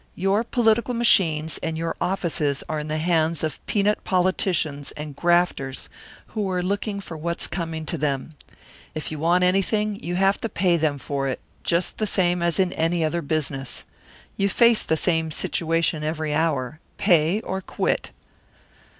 "Your political machines and your offices are in the hands of peanut politicians and grafters who are looking for what's coming to them. If you want anything, you have to pay them for it, just the same as in any other business. You face the same situation every hour 'Pay or quit.'"